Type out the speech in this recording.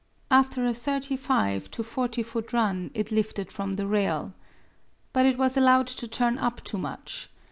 After a 35 to 40 foot run it lifted from the rail. But it was allowed to turn up too much.